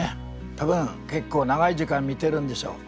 多分結構長い時間見てるんでしょう。